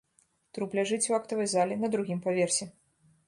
Труп ляжыць у актавай зале на другім паверсе.